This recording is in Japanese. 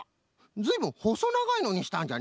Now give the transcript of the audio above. ずいぶんほそながいのにしたんじゃね。